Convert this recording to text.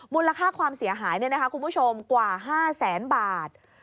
มูลค่าความเสียหายคุณผู้ชมกว่า๕แสนบาท